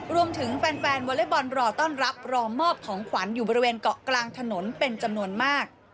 รวมถึงแฟนวอเล็กบอลรอต้อนรับรอมอบของขวัญอยู่บริเวณเกาะกลางถนนเป็นจำนวนมาก